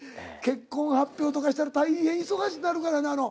結婚発表とかしたら大変忙しなるからな。